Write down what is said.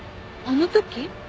あの時？